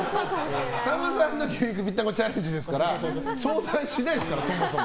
ＳＡＭさんの牛肉ぴったんこチャレンジですから相談しないですから、そもそも。